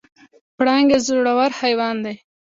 پړانګ یو زړور حیوان دی.